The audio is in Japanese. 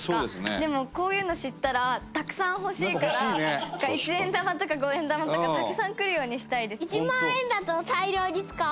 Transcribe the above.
でも、こういうの知ったらたくさん欲しいから一円玉とか五円玉とかたくさんくるようにしたいです。